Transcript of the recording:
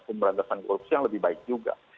pemberantasan korupsi yang lebih baik juga